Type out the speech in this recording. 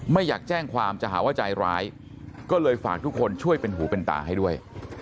ไม่อยากแจ้งความจะหาว่าใจร้ายก็เลยฝากทุกคนช่วยเป็นหูเป็นตาให้ด้วย